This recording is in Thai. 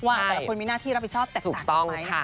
แต่ละคนมีหน้าที่รับผิดชอบแตกต่างกันไหม